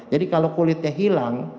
jadi kalau kulitnya hilang